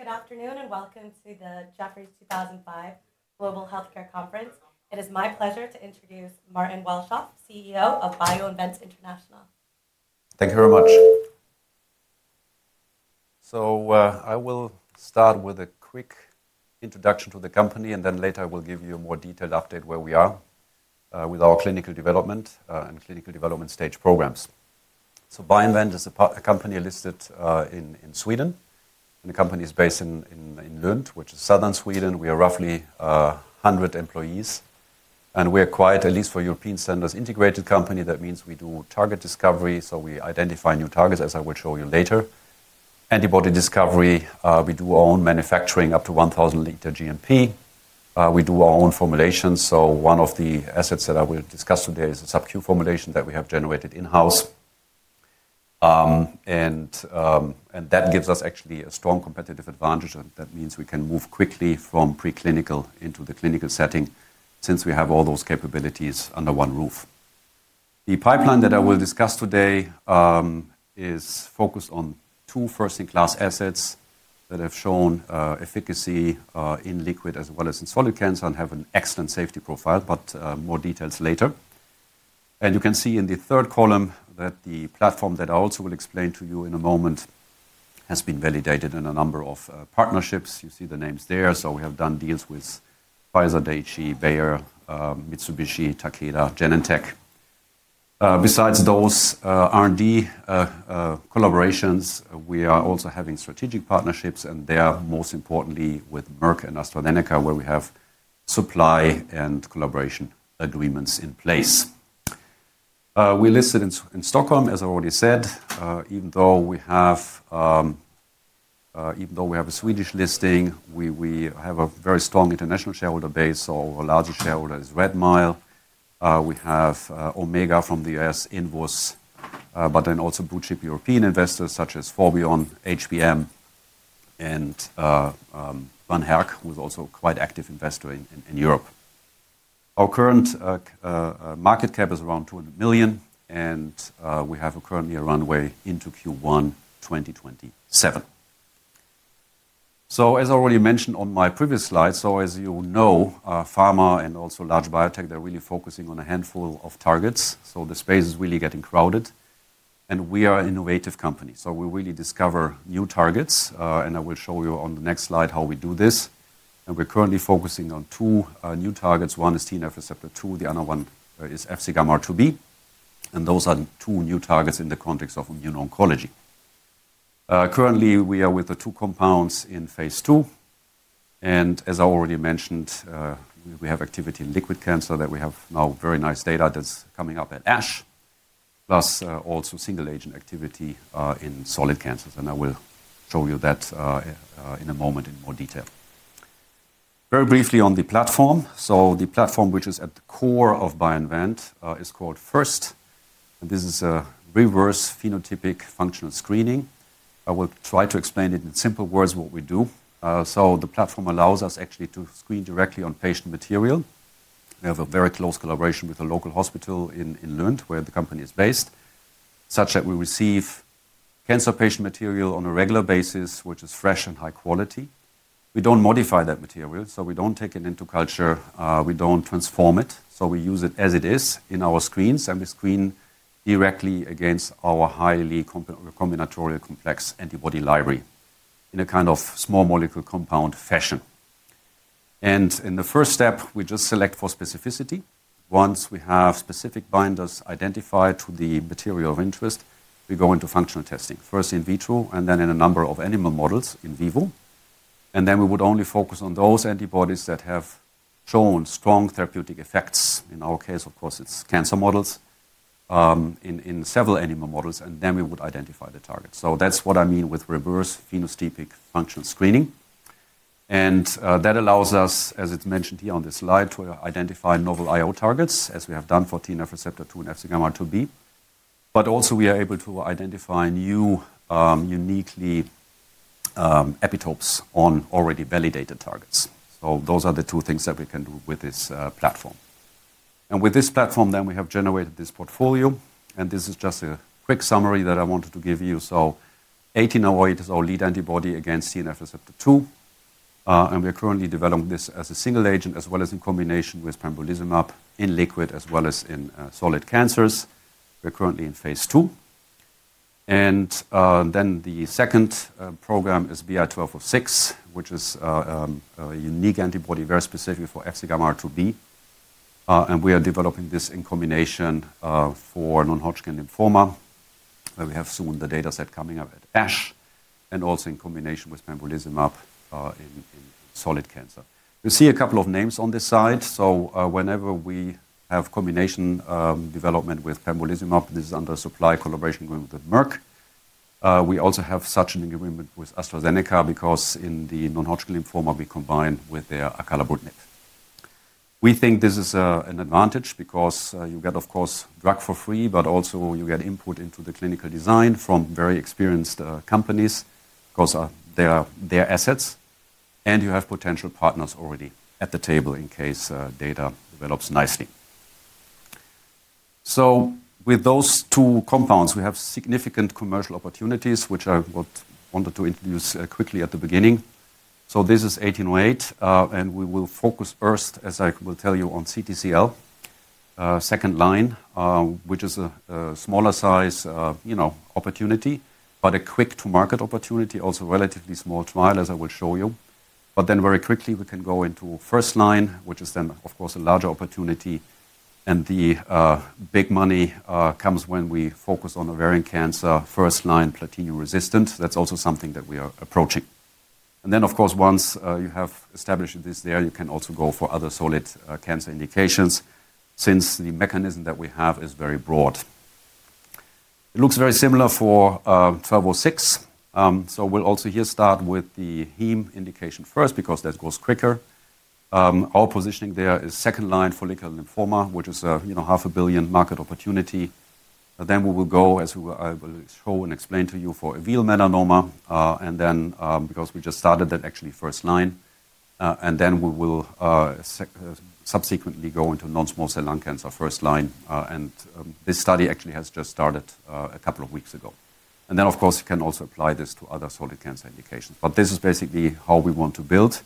Hello, everyone. Good afternoon, and welcome to the Jefferies 2005 Global Healthcare Conference. It is my pleasure to introduce Martin Welschof, CEO of BioInvent International. Thank you very much. I will start with a quick introduction to the company, and then later I will give you a more detailed update where we are with our clinical development and clinical development stage programs. BioInvent is a company listed in Sweden, and the company is based in Lund, which is southern Sweden. We are roughly 100 employees, and we are quite, at least for European standards, an integrated company. That means we do target discovery, so we identify new targets, as I will show you later. Antibody discovery, we do our own manufacturing up to 1,000 liter GMP. We do our own formulations, so one of the assets that I will discuss today is a subQ formulation that we have generated in-house. That gives us actually a strong competitive advantage, and that means we can move quickly from preclinical into the clinical setting since we have all those capabilities under one roof. The pipeline that I will discuss today is focused on two first-in-class assets that have shown efficacy in liquid as well as in solid cancer and have an excellent safety profile, but more details later. You can see in the third column that the platform that I also will explain to you in a moment has been validated in a number of partnerships. You see the names there, so we have done deals with Pfizer, D&G, Bayer, Mitsubishi, Takeda, Genentech. Besides those R&D collaborations, we are also having strategic partnerships, and they are most importantly with Merck and AstraZeneca, where we have supply and collaboration agreements in place. We're listed in Stockholm, as I already said. Even though we have a Swedish listing, we have a very strong international shareholder base, so our largest shareholder is Redmile. We have Omega from the US in voice, but then also blue-chip European investors such as Forbion, HBM, and Van Herk, who is also a quite active investor in Europe. Our current market cap is 200 million, and we have a current year runway into Q1 2027. As I already mentioned on my previous slide, as you know, pharma and also large biotech, they're really focusing on a handful of targets, so the space is really getting crowded. We are an innovative company, so we really discover new targets, and I will show you on the next slide how we do this. We're currently focusing on two new targets. One is TNFR2. The other one is FcγRIIB, and those are two new targets in the context of immuno-oncology. Currently, we are with the two compounds in phase two, and as I already mentioned, we have activity in liquid cancer that we have now very nice data that's coming up at ASH, plus also single-agent activity in solid cancers, and I will show you that in a moment in more detail. Very briefly on the platform, so the platform which is at the core of BioInvent is called FIRST, and this is a reverse phenotypic functional screening. I will try to explain it in simple words what we do. The platform allows us actually to screen directly on patient material. We have a very close collaboration with a local hospital in Lund, where the company is based, such that we receive cancer patient material on a regular basis, which is fresh and high quality. We do not modify that material, so we do not take an end to culture, we do not transform it, so we use it as it is in our screens, and we screen directly against our highly combinatorial complex antibody library in a kind of small molecule compound fashion. In the first step, we just select for specificity. Once we have specific binders identified to the material of interest, we go into functional testing, first in vitro and then in a number of animal models in vivo. We would only focus on those antibodies that have shown strong therapeutic effects. In our case, of course, it's cancer models in several animal models, and then we would identify the target. That's what I mean with reverse phenotypic functional screening. That allows us, as it's mentioned here on this slide, to identify novel IO targets, as we have done for TNFR2 and FcγRIIB, but also we are able to identify new unique epitopes on already validated targets. Those are the two things that we can do with this platform. With this platform, we have generated this portfolio, and this is just a quick summary that I wanted to give you. BI-1808 is our lead antibody against TNFR2, and we are currently developing this as a single agent as well as in combination with pembrolizumab in liquid as well as in solid cancers. We're currently in phase two. The second program is BI-1206, which is a unique antibody very specific for FcγRIIB, and we are developing this in combination for non-Hodgkin lymphoma. We have soon the data set coming out at ASH and also in combination with pembrolizumab in solid cancer. You see a couple of names on this slide, so whenever we have combination development with pembrolizumab, this is under supply collaboration with Merck. We also have such an agreement with AstraZeneca because in the non-Hodgkin lymphoma we combine with their Acalabrutinib. We think this is an advantage because you get, of course, drug for free, but also you get input into the clinical design from very experienced companies because they are their assets, and you have potential partners already at the table in case data develops nicely. With those two compounds, we have significant commercial opportunities, which I wanted to introduce quickly at the beginning. This is BI-1808, and we will focus first, as I will tell you, on CTCL, second line, which is a smaller size opportunity, but a quick-to-market opportunity, also relatively small trial, as I will show you. Then very quickly we can go into first line, which is then, of course, a larger opportunity, and the big money comes when we focus on ovarian cancer, first line platinum resistant. That is also something that we are approaching. Of course, once you have established this there, you can also go for other solid cancer indications since the mechanism that we have is very broad. It looks very similar for BI-1206, so we will also here start with the heme indication first because that goes quicker. Our positioning there is second line follicular lymphoma, which is a $500,000,000 market opportunity. We will go, as I will show and explain to you, for a veal melanoma, and because we just started that actually first line, we will subsequently go into non-small cell lung cancer first line. This study actually has just started a couple of weeks ago. Of course, you can also apply this to other solid cancer indications, but this is basically how we want to build,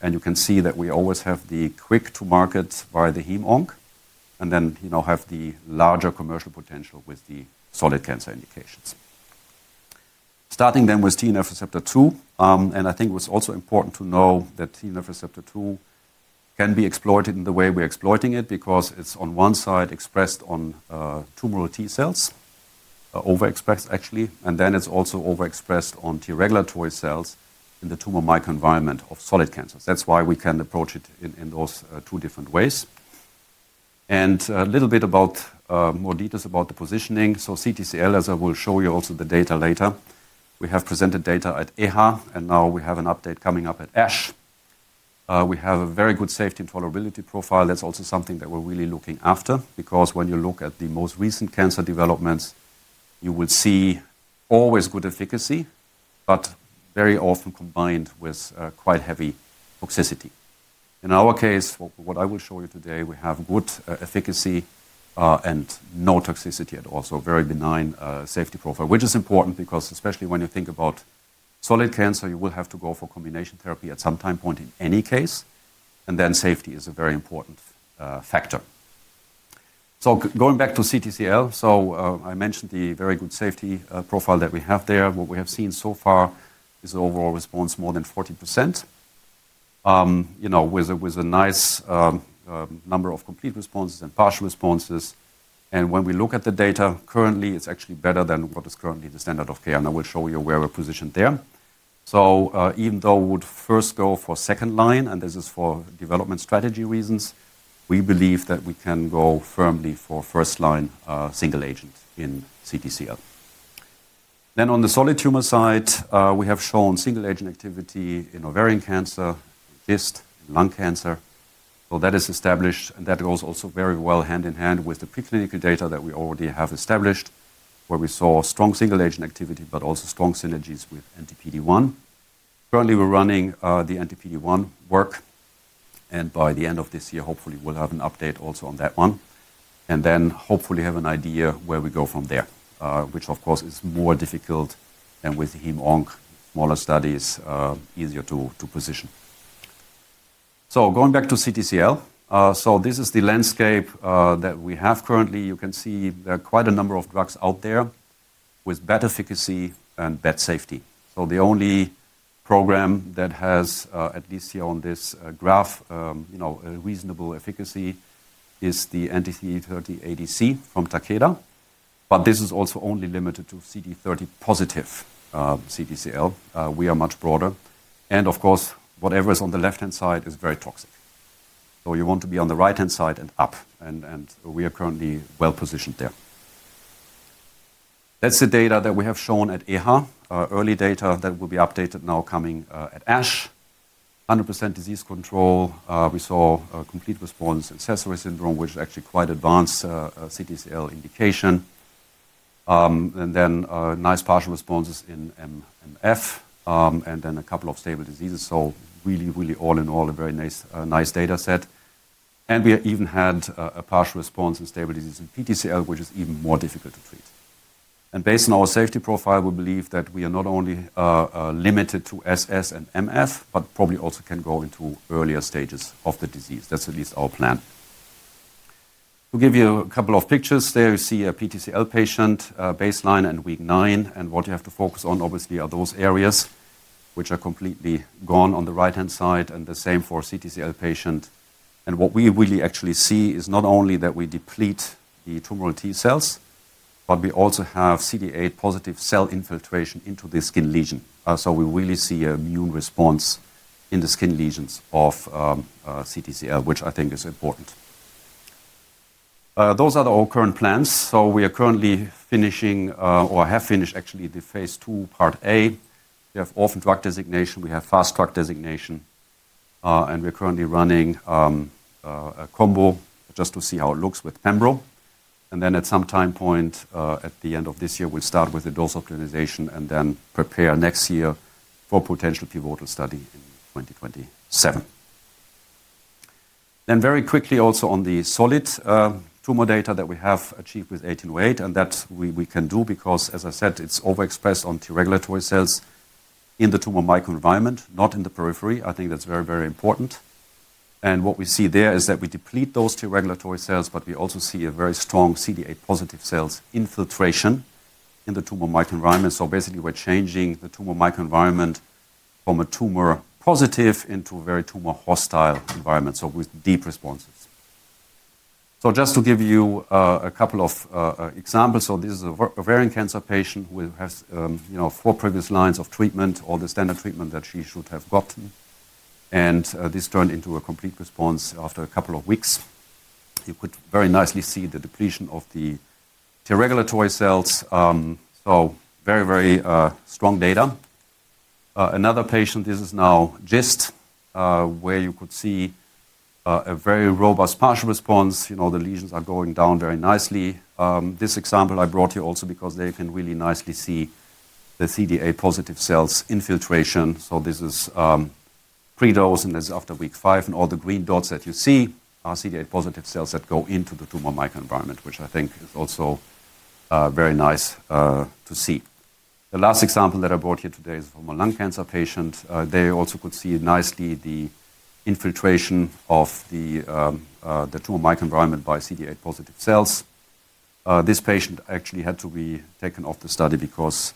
and you can see that we always have the quick-to-market via the heme ONC, and then have the larger commercial potential with the solid cancer indications. Starting then with TNFR2, and I think it was also important to know that TNFR2 can be exploited in the way we're exploiting it because it's on one side expressed on tumoral T cells, overexpressed actually, and then it's also overexpressed on T regulatory cells in the tumor microenvironment of solid cancers. That's why we can approach it in those two different ways. A little bit more details about the positioning, so CTCL, as I will show you also the data later, we have presented data at EHA, and now we have an update coming up at ASH. We have a very good safety and tolerability profile. That's also something that we're really looking after because when you look at the most recent cancer developments, you will see always good efficacy, but very often combined with quite heavy toxicity. In our case, what I will show you today, we have good efficacy and no toxicity and also very benign safety profile, which is important because especially when you think about solid cancer, you will have to go for combination therapy at some time point in any case, and then safety is a very important factor. Going back to CTCL, I mentioned the very good safety profile that we have there. What we have seen so far is overall response more than 40% with a nice number of complete responses and partial responses. When we look at the data, currently it is actually better than what is currently the standard of care, and I will show you where we are positioned there. Even though we would first go for second line, and this is for development strategy reasons, we believe that we can go firmly for first line single agent in CTCL. On the solid tumor side, we have shown single agent activity in ovarian cancer, cyst, and lung cancer. That is established, and that goes also very well hand in hand with the preclinical data that we already have established, where we saw strong single agent activity, but also strong synergies with NTPD1. Currently, we're running the NTPD1 work, and by the end of this year, hopefully we'll have an update also on that one, and then hopefully have an idea where we go from there, which of course is more difficult than with heme ONC, smaller studies, easier to position. Going back to CTCL, this is the landscape that we have currently. You can see there are quite a number of drugs out there with better efficacy and better safety. The only program that has, at least here on this graph, a reasonable efficacy is the NT30 ADC from Takeda, but this is also only limited to CD30 positive CTCL. We are much broader, and of course, whatever is on the left-hand side is very toxic. You want to be on the right-hand side and up, and we are currently well positioned there. That is the data that we have shown at EHA, early data that will be updated now coming at ASH. 100% disease control, we saw complete response in Sézary syndrome, which is actually quite advanced CTCL indication, and then nice partial responses in MF, and then a couple of stable diseases, so really, really all in all a very nice data set. We even had a partial response in stable disease in PTCL, which is even more difficult to treat. Based on our safety profile, we believe that we are not only limited to SS and MF, but probably also can go into earlier stages of the disease. That is at least our plan. To give you a couple of pictures, there you see a PTCL patient baseline and week nine, and what you have to focus on obviously are those areas which are completely gone on the right-hand side, and the same for CTCL patient. What we really actually see is not only that we deplete the tumoral T cells, but we also have CD8 positive cell infiltration into the skin lesion. We really see an immune response in the skin lesions of CTCL, which I think is important. Those are our current plans, so we are currently finishing, or have finished actually, the phase two, part A. We have orphan drug designation, we have fast drug designation, and we are currently running a combo just to see how it looks with Pembrolizumab, and then at some time point at the end of this year, we will start with the dose optimization and then prepare next year for potential pivotal study in 2027. Very quickly also on the solid tumor data that we have achieved with BI-1808, and that we can do because, as I said, it is overexpressed on T regulatory cells in the tumor microenvironment, not in the periphery. I think that is very, very important. What we see there is that we deplete those T regulatory cells, but we also see a very strong CD8 positive cells infiltration in the tumor microenvironment. Basically, we're changing the tumor microenvironment from a tumor positive into a very tumor hostile environment, with deep responses. Just to give you a couple of examples, this is an ovarian cancer patient who has had four previous lines of treatment, all the standard treatment that she should have gotten, and this turned into a complete response after a couple of weeks. You could very nicely see the depletion of the T regulatory cells, so very, very strong data. Another patient, this is now GIST, where you could see a very robust partial response. The lesions are going down very nicely. This example I brought you also because they can really nicely see the CD8 positive cells infiltration. This is pre-dose, and this is after week five, and all the green dots that you see are CD8 positive cells that go into the tumor microenvironment, which I think is also very nice to see. The last example that I brought you today is from a lung cancer patient. There you also could see nicely the infiltration of the tumor microenvironment by CD8 positive cells. This patient actually had to be taken off the study because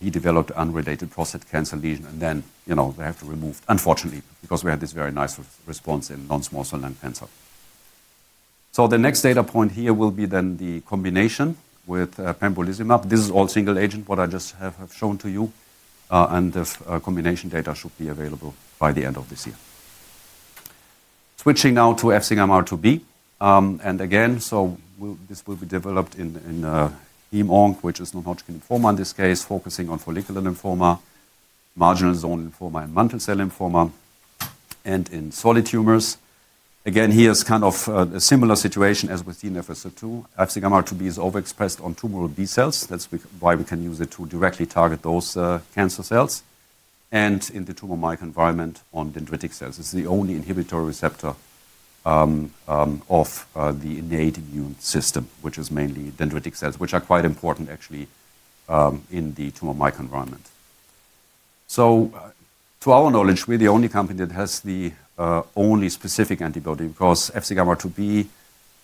he developed unrelated prostate cancer lesion, and then they have to remove, unfortunately, because we had this very nice response in non-small cell lung cancer. The next data point here will be then the combination with pembrolizumab. This is all single agent, what I just have shown to you, and the combination data should be available by the end of this year. Switching now to FcγRIIB, and again, this will be developed in heme ONC, which is non-Hodgkin lymphoma in this case, focusing on follicular lymphoma, marginal zone lymphoma, and mantle cell lymphoma, and in solid tumors. Again, here's kind of a similar situation as with TNFR2. FcγRIIB is overexpressed on tumoral B cells. That's why we can use it to directly target those cancer cells, and in the tumor microenvironment on dendritic cells. This is the only inhibitory receptor of the innate immune system, which is mainly dendritic cells, which are quite important actually in the tumor microenvironment. To our knowledge, we're the only company that has the only specific antibody because FcγRIIB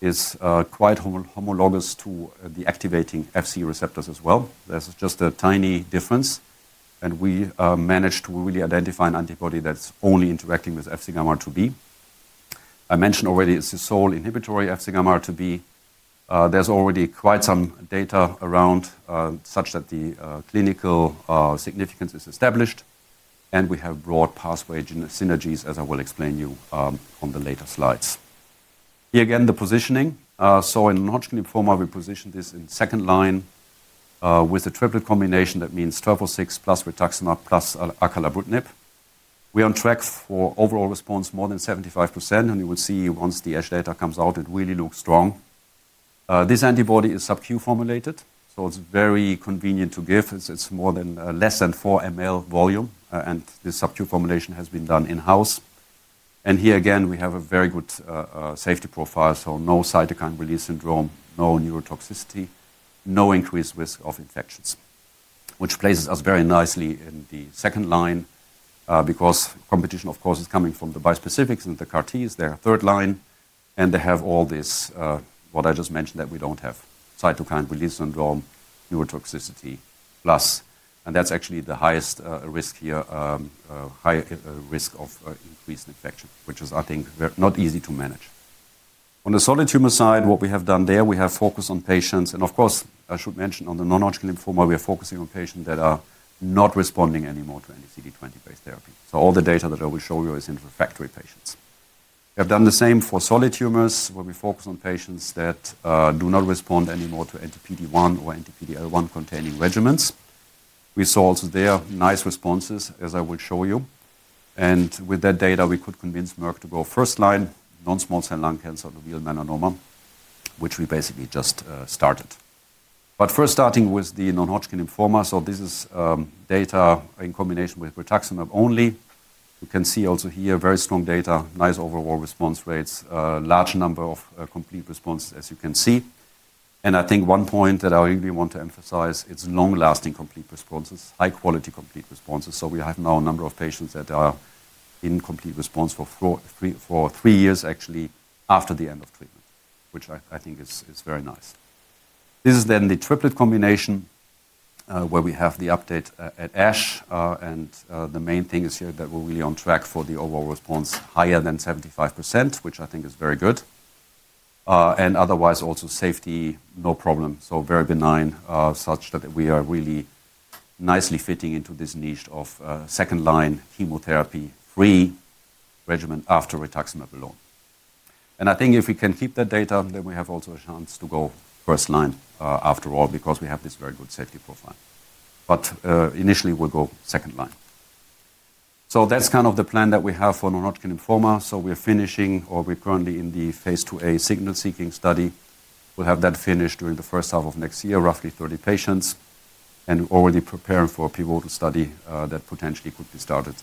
is quite homologous to the activating Fc receptors as well. There's just a tiny difference, and we managed to really identify an antibody that's only interacting with FcγRIIB. I mentioned already it's a sole inhibitory FcγRIIB. There's already quite some data around such that the clinical significance is established, and we have broad pathway synergies, as I will explain to you on the later slides. Here again, the positioning. In non-Hodgkin lymphoma, we positioned this in second line with a triplet combination. That means BI-1206 plus Rituximab plus Acalabrutinib. We're on track for overall response more than 75%, and you will see once the ASH data comes out, it really looks strong. This antibody is subq formulated, so it's very convenient to give. It's more than less than 4 ml volume, and this subq formulation has been done in-house. Here again, we have a very good safety profile, so no cytokine release syndrome, no neurotoxicity, no increased risk of infections, which places us very nicely in the second line because competition, of course, is coming from the bispecifics and the CAR-Ts. They are third line, and they have all this, what I just mentioned, that we do not have: cytokine release syndrome, neurotoxicity plus, and that is actually the highest risk here, high risk of increased infection, which is, I think, not easy to manage. On the solid tumor side, what we have done there, we have focused on patients, and of course, I should mention on the non-Hodgkin lymphoma, we are focusing on patients that are not responding anymore to any CD20-based therapy. All the data that I will show you is in refractory patients. We have done the same for solid tumors where we focus on patients that do not respond anymore to anti-PD-1 or anti-PD-L1 containing regimens. We saw also there nice responses, as I will show you, and with that data, we could convince Merck to go first line non-small cell lung cancer, uveal melanoma, which we basically just started. First, starting with the non-Hodgkin lymphoma, this is data in combination with Rituximab only. You can see also here very strong data, nice overall response rates, large number of complete responses, as you can see. I think one point that I really want to emphasize is long-lasting complete responses, high-quality complete responses. We have now a number of patients that are in complete response for three years actually after the end of treatment, which I think is very nice. This is then the triplet combination where we have the update at ASH, and the main thing is here that we're really on track for the overall response higher than 75%, which I think is very good. Otherwise, also safety, no problem, so very benign such that we are really nicely fitting into this niche of second line chemotherapy-free regimen after Rituximab alone. I think if we can keep that data, then we have also a chance to go first line after all because we have this very good safety profile. Initially, we'll go second line. That is kind of the plan that we have for non-Hodgkin lymphoma. We're finishing, or we're currently in the phase two A signal seeking study. We'll have that finished during the first half of next year, roughly 30 patients, and already preparing for a pivotal study that potentially could be started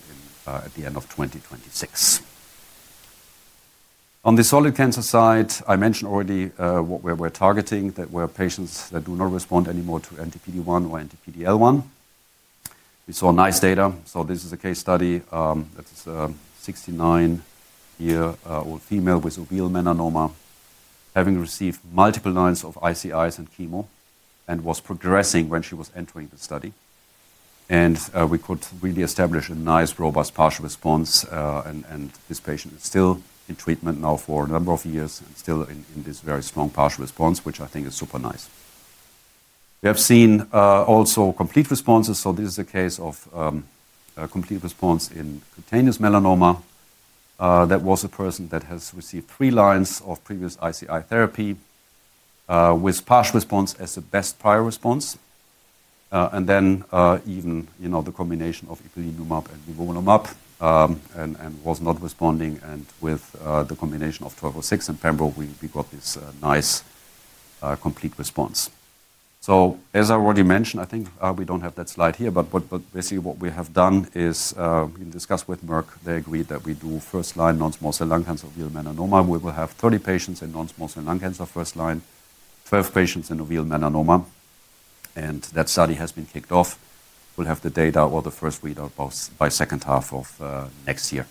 at the end of 2026. On the solid cancer side, I mentioned already what we're targeting, that we're patients that do not respond anymore to anti-PD-1 or anti-PD-L1. We saw nice data, so this is a case study. This is a 69-year-old female with a uveal melanoma having received multiple lines of ICIs and chemo and was progressing when she was entering the study. And we could really establish a nice, robust partial response, and this patient is still in treatment now for a number of years and still in this very strong partial response, which I think is super nice. We have seen also complete responses, so this is a case of complete response in cutaneous melanoma. That was a person that has received three lines of previous ICI therapy with partial response as the best prior response, and then even the combination of ipilimumab and nivolumab and was not responding, and with the combination of 1206 and pembrolizumab, we got this nice complete response. As I already mentioned, I think we do not have that slide here, but basically what we have done is we discussed with Merck. They agreed that we do first line non-small cell lung cancer, uveal melanoma. We will have 30 patients in non-small cell lung cancer first line, 12 patients in uveal melanoma, and that study has been kicked off. We will have the data or the first readout by second half of next year.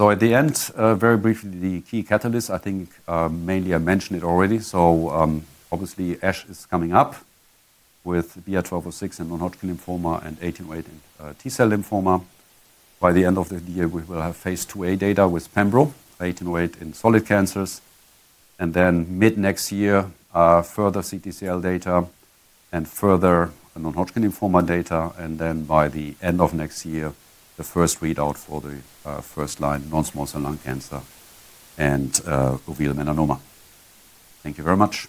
At the end, very briefly, the key catalysts, I think mainly I mentioned it already. Obviously, ASH is coming up with BI-1206 in non-Hodgkin lymphoma and BI-1808 in T-cell lymphoma. By the end of the year, we will have phase 2a data with pembrolizumab and BI-1808 in solid cancers, and then mid next year, further CTCL data and further non-Hodgkin lymphoma data, and then by the end of next year, the first readout for the first-line non-small cell lung cancer and uveal melanoma. Thank you very much.